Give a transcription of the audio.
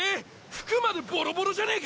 服までボロボロじゃねえか！